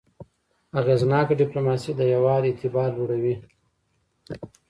اغېزناکه ډيپلوماسي د هېواد اعتبار لوړوي.